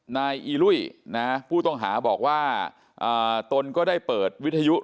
นายอีลุยนะผู้ต้องหาบอกว่าตนก็ได้เปิดวิทยุ